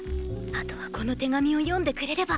あとはこの手紙を読んでくれれば。